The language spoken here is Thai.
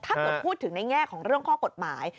ถ้าเกิดพูดถึงในแง่ของเรื่องข้อกฎหมาย